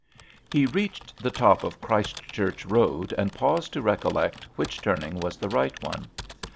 He reached the top of Christ Church Road and paused to recollect which turning was the right one.